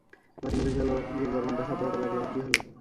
বাতি নিভে গেল, গির্জার ঘন্টার শব্দ হতে লাগল, আর কী হল?